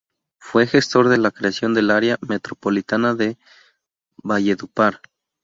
Fue gestor de la creación del Área metropolitana de Valledupar.